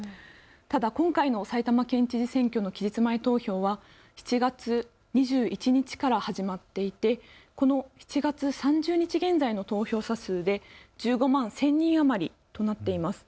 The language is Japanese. ただ今回の埼玉県知事選挙の期日前投票は７月２１日から始まっていてこの７月３０日現在の投票者数で１５万１０００人余りとなっています。